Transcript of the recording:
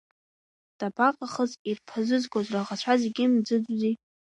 Дабаҟахыз ираԥызгоз, раӷацәа зегьы мӡыӡози.